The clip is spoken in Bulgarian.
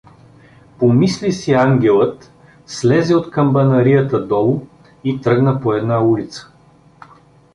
Помисли си ангелът, слезе от камбанарията долу и тръгна по една улица.